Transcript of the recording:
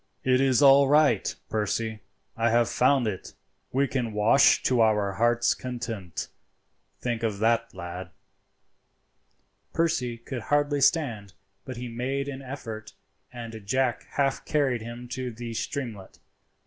"It is all right, Percy, I have found it. We can wash to our hearts' content; think of that, lad." Percy could hardly stand, but he made an effort, and Jack half carried him to the streamlet.